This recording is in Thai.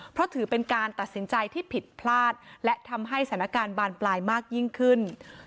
เพราะถือเป็นการตัดสินใจที่ผิดพลาดและทำให้สถานการณ์บานปลายมากยิ่งขึ้น